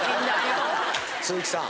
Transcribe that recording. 鈴木さん。